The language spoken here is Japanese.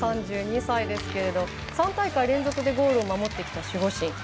３２歳ですけれど３大会連続でゴールを守ってきた守護神。